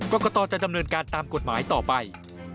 กรกตจะดำเนินการตามกฎหมายต่อไป